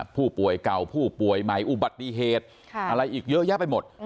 ผู้ป่วยเก่าผู้ป่วยใหม่อุบัติเหตุอะไรอีกเยอะแยะไปหมด